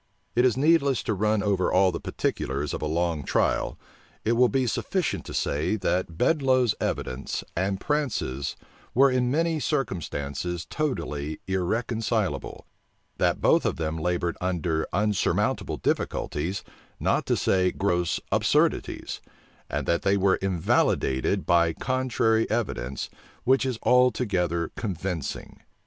It is needless to run over all the particulars of a long trial: it will be sufficient to say, that Bedloe's evidence and Prance's were in many circumstances totally irreconcilable, that both of them labored under unsurmountable difficulties, not to say gross absurdities; and that they were invalidated by contrary evidence, which is altogether convincing.